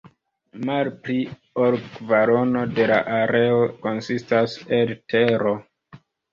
Malpli ol kvarono de la areo konsistas el tero.